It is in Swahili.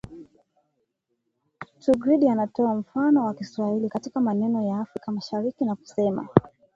Trudgill anatoa mfano wa Kiswahili katika maeneo ya Afrika Mashariki na kusema